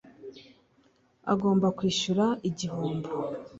agomba kwishyura igihombo